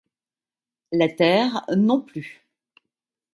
La terre non plus.